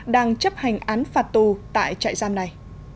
đang chấp hành án phạt tù tại trại giam này